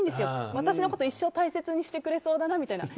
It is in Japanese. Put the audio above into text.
私のこと一生大切にしてくれそうだなみたいな。